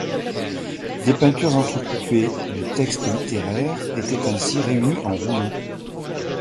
Des peintures entrecoupées de textes littéraires étaient ainsi réunis en rouleaux.